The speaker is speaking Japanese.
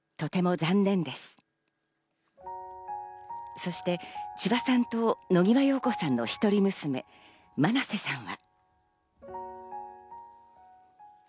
そして千葉さんと野際陽子さんの１人娘、真瀬さんは。